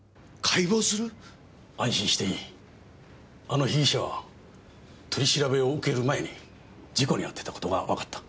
あの被疑者は取り調べを受ける前に事故に遭ってた事がわかった。